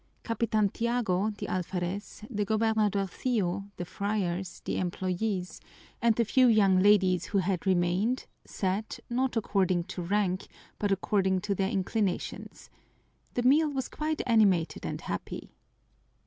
Capitan Tiago, the alferez, the gobernadorcillo, the friars, the employees, and the few young ladies who had remained sat, not according to rank, but according to their inclinations. The meal was quite animated and happy.